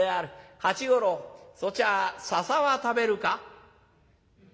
八五郎そちは酒は食べるか？」。